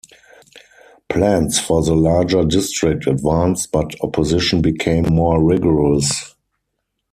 Plans for the larger district advanced but opposition became more rigorous.